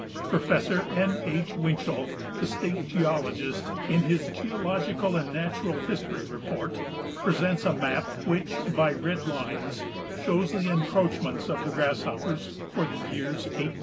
Prof. N. H. Winchell, the state geologist, in his geological and natural history report, presents a map which, by red lines, shows the encroachments of the grasshoppers for the years 1873 76.